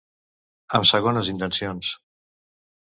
Amb segones intencions.